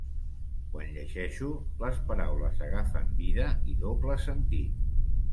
Quan llegeixo, les paraules agafen vida i doble sentit.